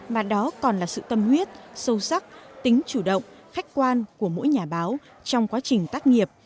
mà đó còn là sự tâm huyết sâu sắc tính chủ động khách quan của mỗi nhà báo trong quá trình tác nghiệp